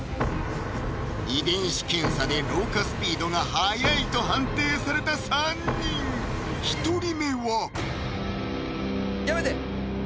遺伝子検査で老化スピードが早いと判定された３人１人目はやめて！